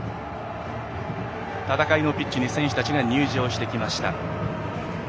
戦いのピッチに選手たちが入場してきました。